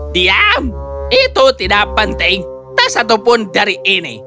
diam itu tidak penting tak satupun dari ini